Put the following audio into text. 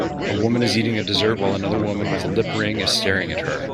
A woman is eating a dessert while another woman with a lip ring is staring at her.